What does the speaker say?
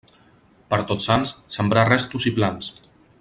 Per Tots Sants, sembrar restos i plans.